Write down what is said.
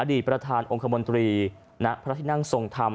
อาฬีตประธานองค์คมตรีเนี่ยในพระที่นั่งโทนธรรม